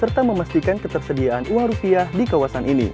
serta memastikan ketersediaan uang rupiah di kawasan ini